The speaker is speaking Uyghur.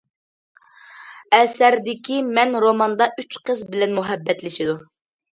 ئەسەردىكى‹‹ مەن›› روماندا ئۈچ قىز بىلەن مۇھەببەتلىشىدۇ.